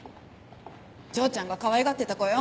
丈ちゃんがかわいがってた子よ。